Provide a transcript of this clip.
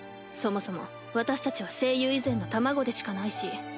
そもそも私たちは声優以前の卵でしかないし。